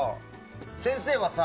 先生はさ